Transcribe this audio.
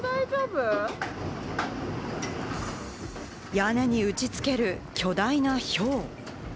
屋根に打ち付ける巨大なひょう。